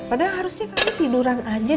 padahal harusnya kami tiduran aja